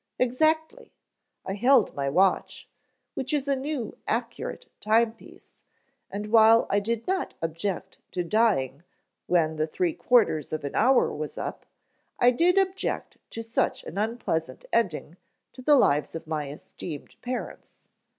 "Exactly. I held my watch, which is a new accurate time piece, and while I did not object to dying when the three quarters of an hour was up, I did object to such an unpleasant ending to the lives of my esteemed parents.